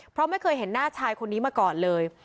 เพราะไม่เคยเห็นหน้าชายคนนี้มาก่อนเลย